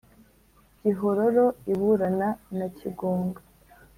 gihororo iburana na kigunga,